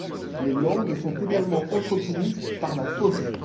Les landes sont également entretenues par la fauche.